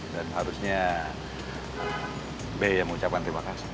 dan harusnya be yang mengucapkan terima kasih